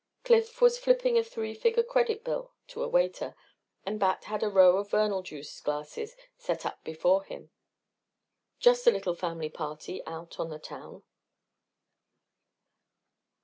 Cliff was flipping a three figure credit bill to a waiter. And Bat had a row of Vernal juice glasses set up before him. Just a little family party out on the town.